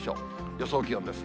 予想気温です。